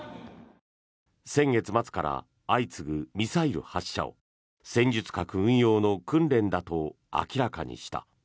先月末から相次ぐミサイル発射を戦術核運用の訓練だと明らかにした。